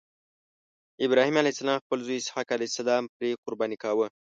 ابراهیم علیه السلام خپل زوی اسحق علیه السلام پرې قرباني کاوه.